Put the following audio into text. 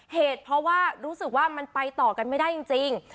เหตุเพราะว่ารู้สึกว่ามันไปต่อกันไม่ได้จริง